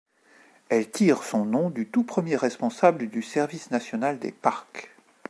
Elle tire son nom du tout premier responsable du Service National des Parcs.